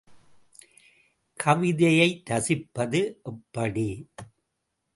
கவிதையை ரசிப்பது எப்படி?